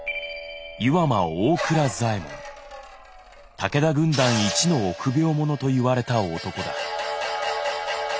武田軍団一の臆病者と言われた男だ。